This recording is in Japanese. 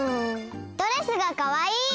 ドレスがかわいい！